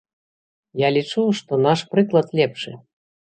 Я лічу, што наш прыклад лепшы.